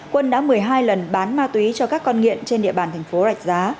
quân đã một mươi hai lần bán ma túy cho các con nghiện trên địa bàn thành phố rạch giá